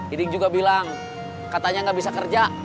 iding juga bilang katanya nggak bisa kerja